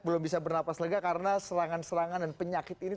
belum bisa bernapas lega karena serangan serangan dan penyakit ini